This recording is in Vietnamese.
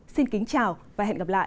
xin kính chào và hẹn gặp lại